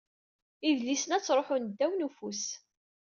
Idlisen-a ttruḥun ddaw n ufus.